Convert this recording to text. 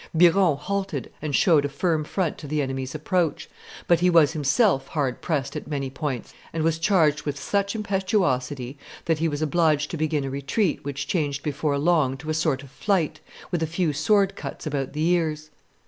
Biron halted and showed a firm front to the enemy's approach; but he was himself hard pressed at many points, and was charged with such impetuosity that he was obliged to begin a retreat which changed before long to a sort of flight, with a few sword cuts about the ears.